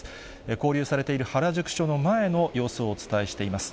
勾留されている原宿署の前の様子をお伝えしています。